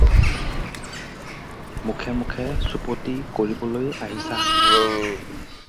মুখে মুখে চুপতি কৰিবলৈ আহিছা।